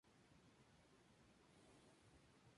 Jaime Carvajal Villamizar.